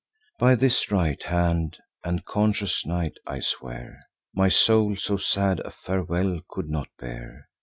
By this right hand and conscious night I swear, My soul so sad a farewell could not bear.